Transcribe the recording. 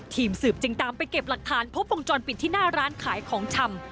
ทีมสืบจึงตามไปเก็บหลักฐานพบวงจรปิดที่หน้าร้านขายของชำ